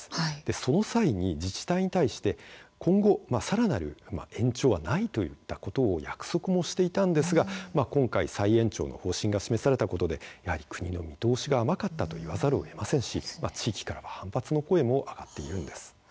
その際に自治体に対して今後さらなる延長はないといったことを約束もしていたんですが今回、再延長の方針が示されたことでやはり国の見通しが甘かったと言わざるをえませんし地域からも反発の声が上がっているんです。